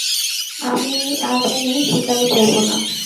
আজ আমি শিকারে যাইব না।